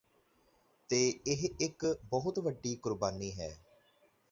ਤੇ ਇਹ ਇੱਕ ਬਹੁਤ ਵੱਡੀ ਕੁਰਬਾਨੀ ਹੈ